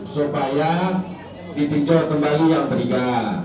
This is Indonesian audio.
supaya ditinjau kembali yang berika